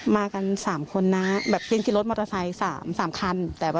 มากัน๓คนนะแบบเล่นที่รถมอเตอร์ไซค์๓คัน